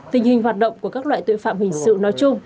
tình hình hoạt động của các loại tội phạm hình sự nói chung